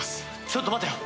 ちょっと待てよ！